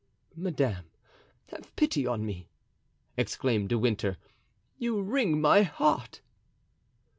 "Madame, have pity on me," exclaimed De Winter; "you wring my heart!"